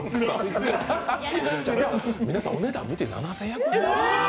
皆さん、お値段見て、７０００円。